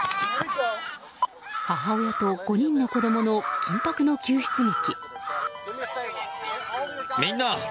母親と５人の子供の緊迫の救出劇。